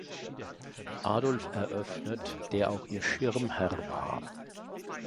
Adolf eröffnet, der auch ihr Schirmherr war.